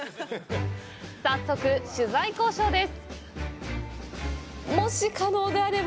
早速、取材交渉です。